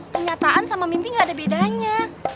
kenyataan sama mimpi gak ada bedanya